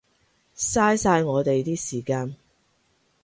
嘥晒我哋啲時間